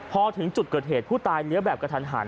พอถึงจุดเกิดเหตุผู้ตายเลี้ยวแบบกระทันหัน